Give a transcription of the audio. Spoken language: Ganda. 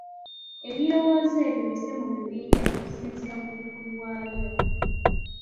Ebirowoozo ebyo bisse mu bibinja okusinziira ku bukulu bwabyo.